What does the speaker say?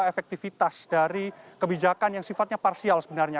efektivitas dari kebijakan yang sifatnya parsial sebenarnya